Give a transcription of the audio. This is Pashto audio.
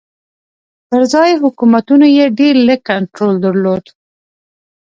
پر ځايي حکومتونو یې ډېر لږ کنټرول درلود.